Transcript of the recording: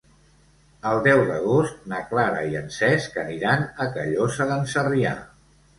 El deu d'agost na Clara i en Cesc aniran a Callosa d'en Sarrià.